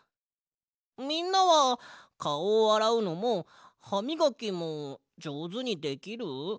みんなはかおをあらうのもはみがきもじょうずにできる？